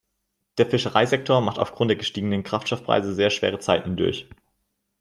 Der Fischereisektor macht aufgrund der gestiegenen Kraftstoffpreise sehr schwere Zeiten durch.